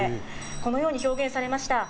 このように表現されました。